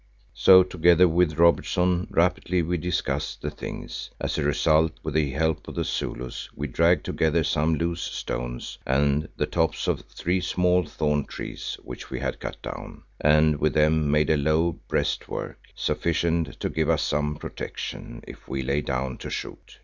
So, together with Robertson, rapidly we discussed the thing. As a result, with the help of the Zulus, we dragged together some loose stones and the tops of three small thorn trees which we had cut down, and with them made a low breastwork, sufficient to give us some protection if we lay down to shoot.